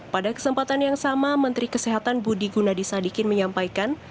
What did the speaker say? pada kesempatan yang sama menteri kesehatan budi gunadisadikin menyampaikan